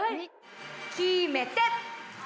決めて。